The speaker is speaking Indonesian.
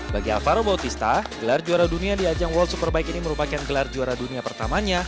bagi alvaro bautista gelar juara dunia di ajang world superbike ini merupakan gelar juara dunia pertamanya